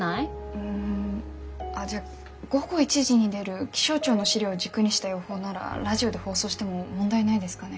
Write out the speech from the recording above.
うんあっじゃあ午後１時に出る気象庁の資料を軸にした予報ならラジオで放送しても問題ないですかね？